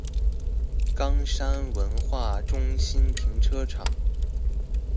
岡山文化中心停車場